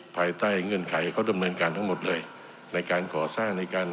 ภายใต้เงื่อนไขเขาดำเนินการทั้งหมดเลยในการก่อสร้างในการ